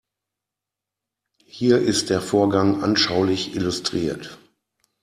Hier ist der Vorgang anschaulich illustriert.